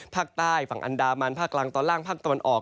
ภาคใต้ฝั่งอันดามันภาคกลางตอนล่างภาคตะวันออก